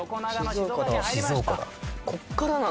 静岡だ。